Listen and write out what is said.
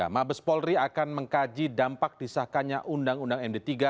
mabes polri akan mengkaji dampak disahkannya undang undang md tiga